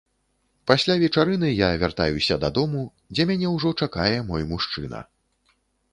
Пасля вечарыны я вяртаюся дадому, дзе мяне ўжо чакае мой мужчына.